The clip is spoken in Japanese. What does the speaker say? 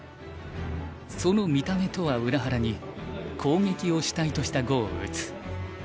その見た目とは裏腹に攻撃を主体とした碁を打つ。